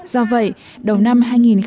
do vậy đầu năm hai nghìn một mươi một